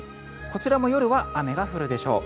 こちらも夜は雨が降るでしょう。